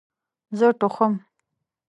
زه ټوخم